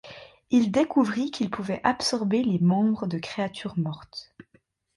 Il découvrit qu'il pouvait absorber les membres de créatures mortes.